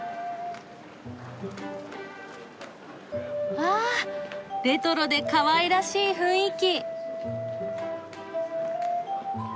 わあレトロでかわいらしい雰囲気！